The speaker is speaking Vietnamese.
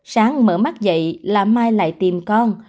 sáng mở mắt dậy là mai lại tìm con